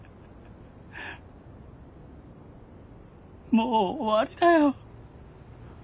もう終わりだよ。